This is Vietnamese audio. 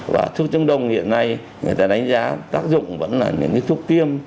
và thuốc chống đông hiện nay người ta đánh giá tác dụng vẫn là những thuốc tiêm